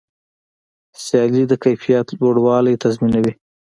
سیالي د کیفیت لوړوالی تضمینوي.